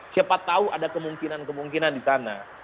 siapa tahu ada kemungkinan kemungkinan di sana